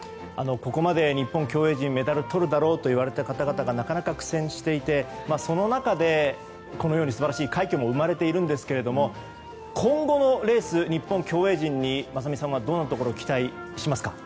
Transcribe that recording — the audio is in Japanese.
ここまで日本競泳陣メダルをとるだろうと言われた方々がなかなか苦戦していてその中で、このように素晴らしい快挙も生まれていますが今後のレース、日本競泳陣に雅美さんはどんなところを期待しますか。